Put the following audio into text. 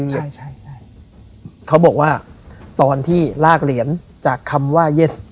ใช่ใช่ใช่เขาบอกว่าตอนที่ลากเหรียญจากคำว่าเย็ด